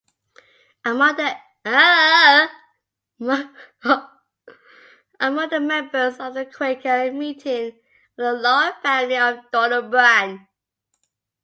Among the members of the Quaker meeting were the Lloyd family of Dolobran.